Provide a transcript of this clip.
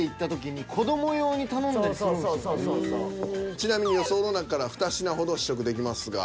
ちなみに予想の中から２品ほど試食できますが。